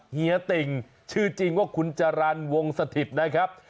เฮียติ่งชื่อจริงว่าคุณจรรย์วงสถิตนะครับ